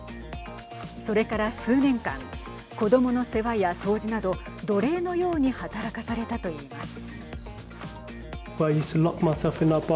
それから数年間子どもの世話や掃除など奴隷のように働かされたといいます。